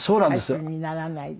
歌手にならないで。